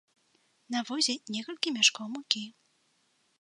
На возе некалькі мяшкоў мукі.